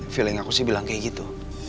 feeling aku sih bilang kayak gitu